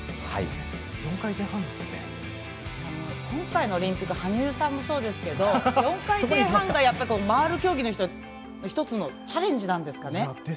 今回のオリンピック羽生さんもそうですけど４回転半が、回る競技の１つのチャレンジなんですかね。